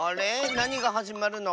なにがはじまるの？